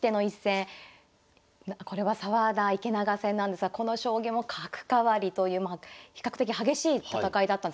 これは澤田・池永戦なんですがこの将棋も角換わりという比較的激しい戦いだった。